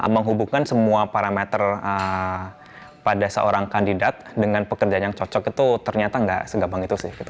menghubungkan semua parameter pada seorang kandidat dengan pekerjaan yang cocok itu ternyata nggak segampang itu sih